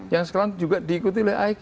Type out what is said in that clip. yang sekarang juga diikuti oleh aik